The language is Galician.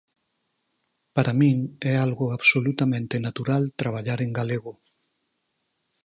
Para min é algo absolutamente natural traballar en galego.